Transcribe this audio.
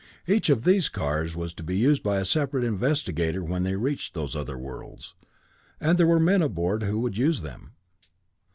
Each of these cars was to be used by a separate investigator when they reached those other worlds, and there were men aboard who would use them.